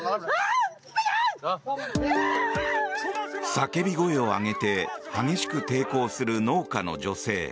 叫び声を上げて激しく抵抗する農家の女性。